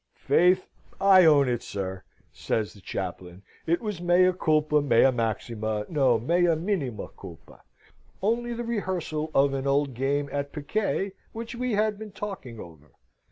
"Faith, I own it, sir!" says the chaplain. "It was mea culpa, mea maxima no, mea minima culpa, only the rehearsal of an old game at piquet, which we had been talking over."